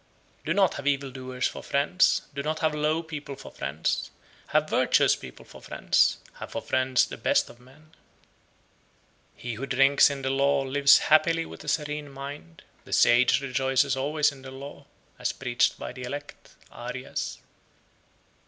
78. Do not have evil doers for friends, do not have low people for friends: have virtuous people for friends, have for friends the best of men. 79. He who drinks in the law lives happily with a serene mind: the sage rejoices always in the law, as preached by the elect (Ariyas).